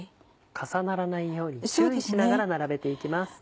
重ならないように注意しながら並べていきます。